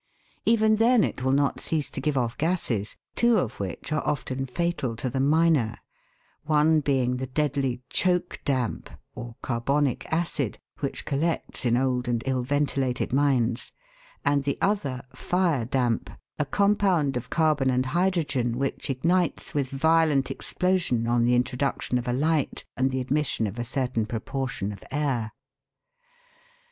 Even then it will not cease to give off gases, two of which are often fatal to the miner, one being the deadly "choke damp," or carbonic acid, which collects in old and ill ventilated mines; and the other, the "fire damp," a compound of carbon and hydrogen, which ignites with violent explosion on the introduction of a light and the admission of a certain proportion of air.